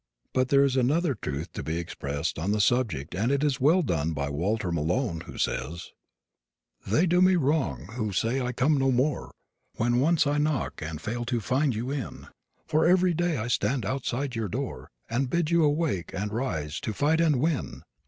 But there is another truth to be expressed on the subject and it is well done by Walter Malone, who says: They do me wrong who say I come no more, When once I knock and fail to find you in; For every day I stand outside your door, And bid you awake and rise to fight and win.